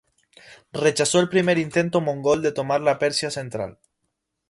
Rechazó el primer intento mongol de tomar la Persia central.